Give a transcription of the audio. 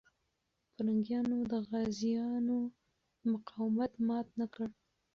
پرنګیان د غازيانو مقاومت مات نه کړ.